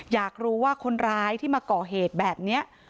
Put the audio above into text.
อยากรู้ว่าคนร้ายที่มาก่อเหตุแบบนี้